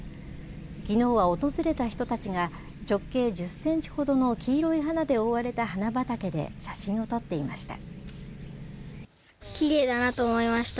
きのうは訪れた人たちが直径１０センチほどの黄色い花で覆われた花畑で写真を撮っていました。